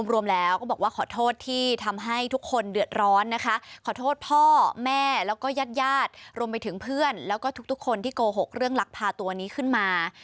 เรื่องหลักพาตัวนี้ขึ้นมา